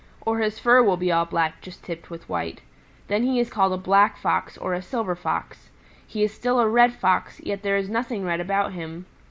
Or his fur will be all black just tipped with white. Then he is called a Black Fox or Silver Fox. He is still a Red Fox, yet there is nothing red about him.